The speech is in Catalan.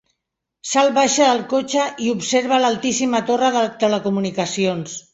Sal baixa del cotxe i observa l'altíssima torre de telecomunicacions.